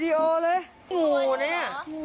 เออเออเออ